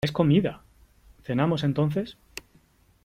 ¡ es comida !¿ cenamos , entonces ?